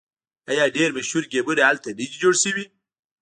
آیا ډیر مشهور ګیمونه هلته نه دي جوړ شوي؟